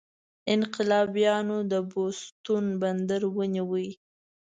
انقلابیانو د بوستون بندر ونیو.